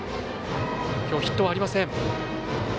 きょうヒットありません。